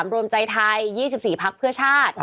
๒๓รวมใจไทย๒๔ภักดิ์เพื่อชาติ